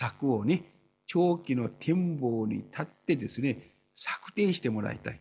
長期の展望に立ってですね策定してもらいたい。